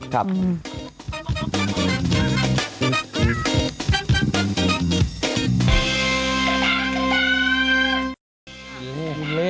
ครับ